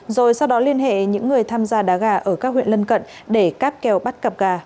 rồi sau đó liên hệ những người tham gia đá gà ở các huyện lân cận để cáp kèo bắt cặp gà